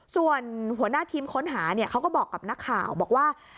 ส่วนหัวหน้าทีมค้นหาเนี่ยเขาก็บอกกับนักข่าวบอกว่า